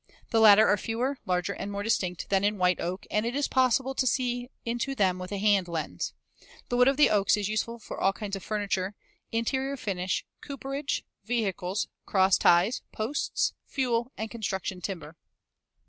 The latter are fewer, larger and more distinct than in white oak and it is possible to see into them with a hand lens. The wood of the oaks is used for all kinds of furniture, interior finish, cooperage, vehicles, cross ties, posts, fuel, and construction timber.